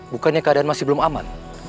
bukannya keadaan masih belum aman